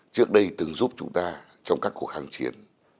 trước đây từng giúp chúng ta trong các cuộc kháng chiến